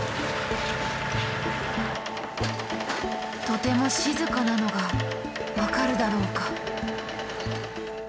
とても静かなのが分かるだろうか。